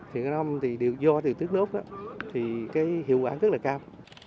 hiện nay do điều tiết nước thì hiệu quả rất là cao